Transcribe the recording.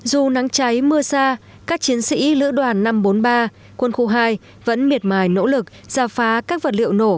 dù nắng cháy mưa xa các chiến sĩ lữ đoàn năm trăm bốn mươi ba quân khu hai vẫn miệt mài nỗ lực giả phá các vật liệu nổ